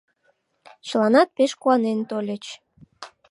Чыланат пеш куанен тольыч.